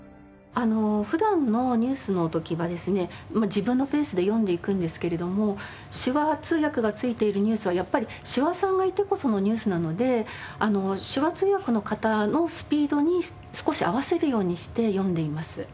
自分のペースで読んでいくんですけれども手話通訳がついているニュースはやっぱり手話さんがいてこそのニュースなので手話通訳の方のスピードに少し合わせるようにして読んでいます。